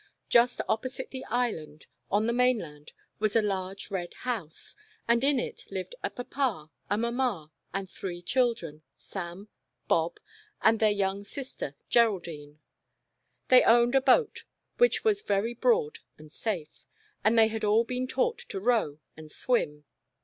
Just opposite the Island, on The Disobedient Island. 213 the mainland, was a large red house, and in it lived a papa, a mamma, and three children, Sam, Bob, and their young sister Geraldine. They owned a boat which was very broad and safe, and they had all been taught to row and swim.